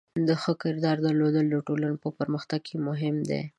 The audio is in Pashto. د ښه کردار درلودل د ټولنې په پرمختګ کې مهم دی.